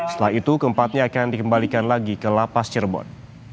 setelah itu keempatnya akan dikembalikan lagi ke lapas cirebon